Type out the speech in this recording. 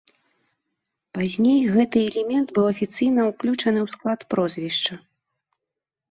Пазней гэты элемент быў афіцыйна ўключаны ў склад прозвішча.